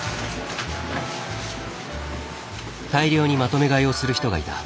大量にまとめ買いをする人がいた。